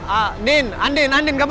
ah nin andin andin kamu mau